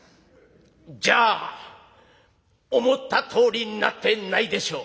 じゃあ思ったとおりになってないでしょう。